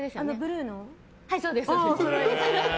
そうです。